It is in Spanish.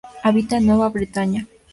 Habita en Nueva Bretaña.